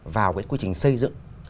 vào cái quy trình xây dựng